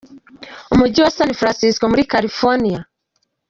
Umujyi wa San Francisco muri California.